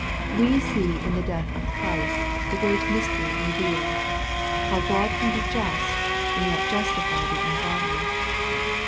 '' We see in the death of Christ, the great mystery revealed, how Grod can be just, and yet justify the ungodly.